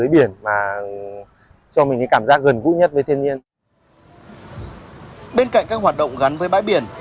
bên cạnh các hoạt động gắn với bãi biển